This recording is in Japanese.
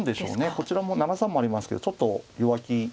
こちらも７三もありますけどちょっと弱気でしょうか。